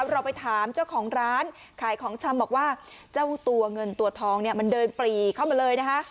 เราไปถามเจ้าของร้านขายของชำบอกว่าเจ้าตัวเงินตัวทองเนี่ยมันเดินปรีเข้ามาเลยนะคะ